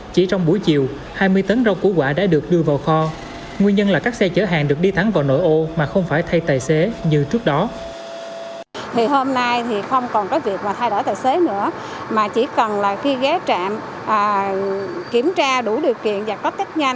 chỉ trong buổi chiều hai mươi tấn rau củ quả đã được đưa vào kho nguyên nhân là các xe chở hàng được đi thẳng vào nội ô mà không phải thay tài xế như trước đó